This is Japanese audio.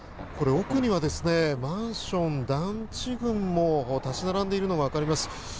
奥にはマンション、団地群も立ち並んでいるのが分かります。